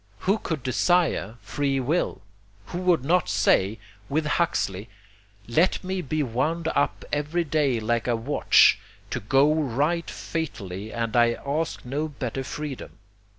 Who could desire free will? Who would not say, with Huxley, "let me be wound up every day like a watch, to go right fatally, and I ask no better freedom."